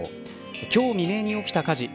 今日未明に起きた火事。